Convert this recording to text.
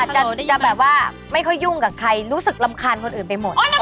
จะแบบว่าไม่ค่อยยุ่งกับใครรู้สึกรำคาญคนอื่นไปหมด